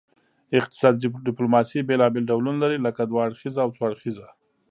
اقتصادي ډیپلوماسي بیلابیل ډولونه لري لکه دوه اړخیزه او څو اړخیزه